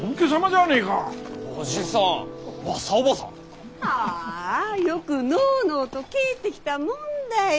はぁよくのうのうと帰ってきたもんだよ。